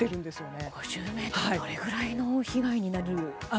どれぐらいの被害になる？